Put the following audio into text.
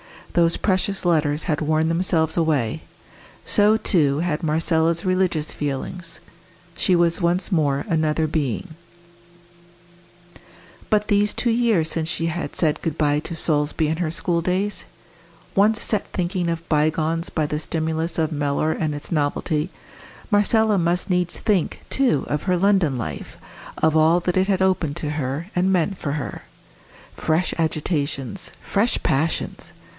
Those precious letters had worn themselves away; so, too, had Marcella's religious feelings; she was once more another being. But these two years since she had said good bye to Solesby and her school days? Once set thinking of bygones by the stimulus of Mellor and its novelty, Marcella must needs think, too, of her London life, of all that it had opened to her, and meant for her. Fresh agitations! fresh passions!